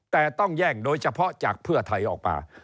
แต่ต้องแย่งโดยเฉพาะจากเพื่อไทยออกมา